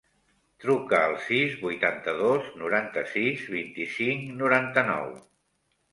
Truca al sis, vuitanta-dos, noranta-sis, vint-i-cinc, noranta-nou.